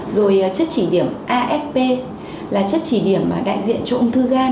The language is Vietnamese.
rồi chất chỉ điểm afp là chất chỉ điểm mà đại diện cho ung thư gan